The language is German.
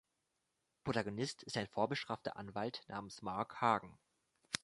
Protagonist ist ein vorbestrafter Anwalt namens Marc Hagen.